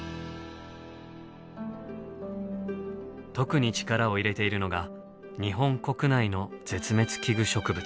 特に力を入れているのが日本国内の絶滅危惧植物。